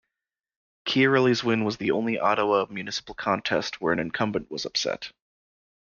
Chiarelli's win was the only Ottawa municipal contest where an incumbent was upset.